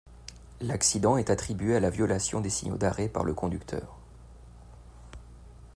L'accident est attribué à la violation des signaux d'arrêt par le conducteur.